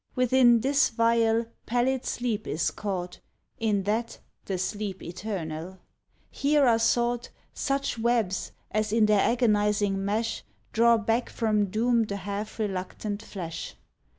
Within this vial pallid Sleep is caught, In that, the sleep eternal. Here are sought Such webs as in their agonizing mesh Draw back from doom the half reluctant flesh.